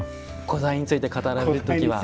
古材について語られるときは。